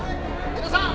皆さん。